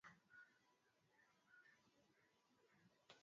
ya twiga wameongezeka katika maeneo yao Kutokana kuzaliana kwa wingi